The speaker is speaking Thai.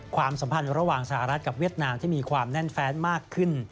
ความสัมพันธ์ระหว่างสหรัฐกับเวียดนามที่มีความแน่นแฟนมากขึ้น